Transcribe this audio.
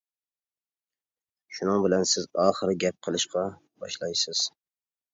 شۇنىڭ بىلەن سىز ئاخىرى گەپ قىلىشقا باشلايسىز.